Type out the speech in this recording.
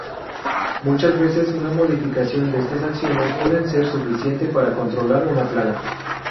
Muchas veces una modificación de estas acciones puede ser suficiente para controlar una plaga.